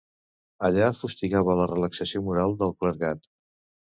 Allà fustigava la relaxació moral del clergat.